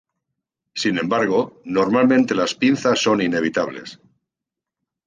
Sin embargo, normalmente las pinzas son inevitables.